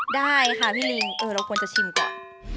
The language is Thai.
ได้ค่ะพี่ลิงเราควรจะชิมก่อน